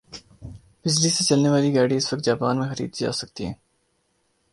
بجلی سے چلنے والی گاڑی اس وقت جاپان میں خریدی جاسکتی ھے